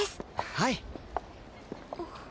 はい。